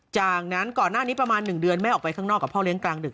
จากนั้นก่อนหน้านี้ประมาณ๑เดือนแม่ออกไปข้างนอกกับพ่อเลี้ยกลางดึก